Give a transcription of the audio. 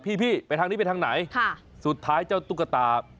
พี่พี่ไปทางนี้ไปทางไหนสุดท้ายเจ้าตุ๊กตา